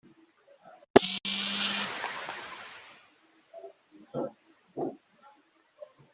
Abaturage batuye mu gasanteri ka Kirenge